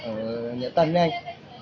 ở nhật tân đấy anh